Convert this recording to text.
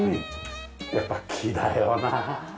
やっぱり木だよなあ。